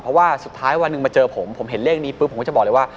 เพราะว่าสุดท้ายวันหนึ่งมาเจอผมผมเห็นเลขนี้ปุ๊บผมก็จะบอกเลยว่า